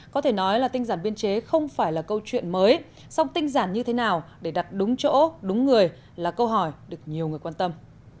có thể nói là tinh giản biên chế không phải là câu chuyện mới song tinh giản như thế nào để đặt đúng chỗ đúng người là câu hỏi được nhiều người quan tâm